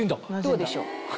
どうでしょう？